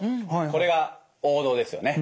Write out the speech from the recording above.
これが王道ですよね。